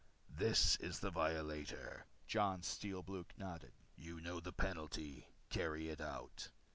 "This is the violator?" Jon's Steel Blue nodded. "You know the penalty? Carry it out."